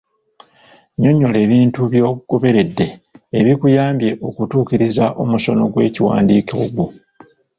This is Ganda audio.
Nnyonnyola ebintu by'ogoberedde ebikuyambye okutuukiriza omusono gw'ekiwandiiko ogwo.